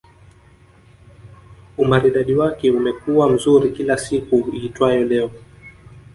Umaridadi wake umekuwa mzuri kila siku iitwayo Leo